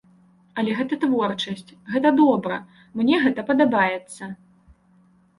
Але гэта творчасць, гэта добра, мне гэта падабаецца.